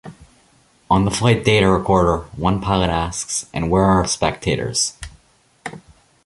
On the flight data recorder, one pilot asks, And where are our spectators?